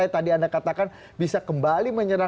yang tadi anda katakan bisa kembali